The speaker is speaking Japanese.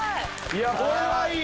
いやこれはいい。